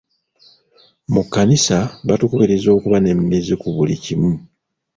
Mu kkanisa batukubiriza okuba n’emmizi ku buli kimu.